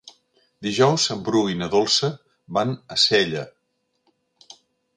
Dijous en Bru i na Dolça van a Sella.